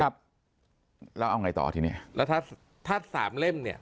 ครับแล้วเอาไงต่อทีนี้แล้วถ้าถ้าสามเล่มเนี่ย